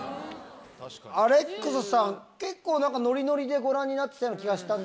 アレックスさん結構ノリノリでご覧になってたような気がしたんですが。